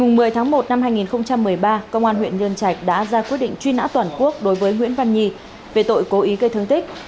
từ tháng một năm hai nghìn một mươi ba công an huyện nhơn trạch đã ra quyết định truy nã toàn quốc đối với nguyễn văn nhi về tội cố ý gây thương tích